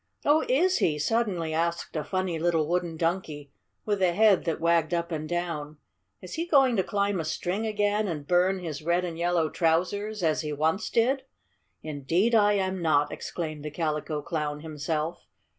"Oh, is he?" suddenly asked a funny little Wooden Donkey with a head that wagged up and down. "Is he going to climb a string again and burn his red and yellow trousers as he once did?" "Indeed I am not!" exclaimed the Calico Clown himself.